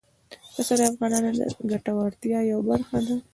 پسه د افغانانو د ګټورتیا یوه برخه ده.